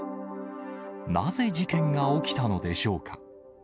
なぜ事件が起きたのでしょうか。